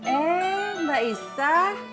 eh mbak issa